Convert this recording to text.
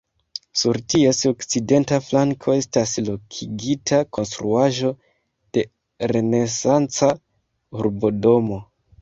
Sur ties okcidenta flanko estas lokigita konstruaĵo de renesanca urbodomo.